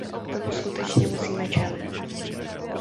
Tomu skutečně musíme čelit.